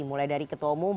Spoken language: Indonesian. mulai dari ketua umum